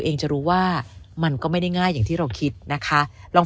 จะรู้ว่ามันก็ไม่ได้ง่ายอย่างที่เราคิดนะคะลอง